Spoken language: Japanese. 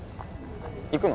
行くの？